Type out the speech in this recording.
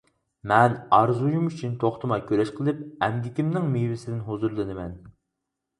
مەن ئارزۇيۇم ئۈچۈن توختىماي كۈرەش قىلىپ، ئەمگىكىمنىڭ مېۋىسىدىن ھۇزۇرلىنىمەن.